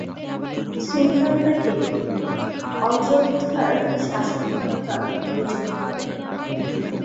সুলতান তাকে অযোধ্যার শাসনকর্তা নিযুক্ত করেন।